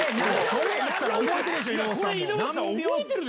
それやったら覚えてる！